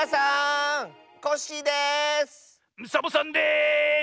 サボさんです！